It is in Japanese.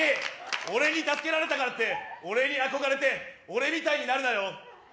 俺に助けられたからって俺に憧れて俺みたいになるなよ